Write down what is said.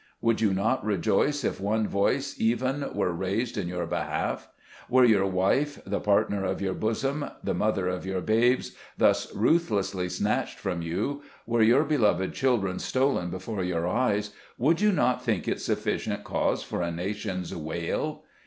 Would you not rejoice if one voice, even, were raised in your behalf ? Were your wife, the partner of your bosom, the mother of your babes, thus ruth lessly snatched from you, were your beloved chil dren stolen before your eyes, would you not think it sufficient cause for a nation's wail